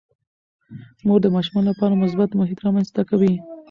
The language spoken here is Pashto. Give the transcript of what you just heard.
مور د ماشومانو لپاره مثبت محیط رامنځته کوي.